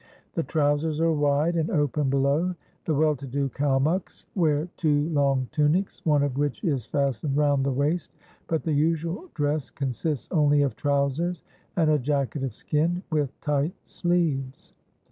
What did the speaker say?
The trousers are wide and open below. The well to do Kalmuks wear two long tunics, one of which is fastened round the waist, but the usual dress consists only of trousers and a jacket of skin with tight sleeves.